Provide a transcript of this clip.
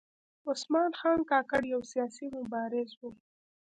عثمان خان کاکړ یو سیاسي مبارز و .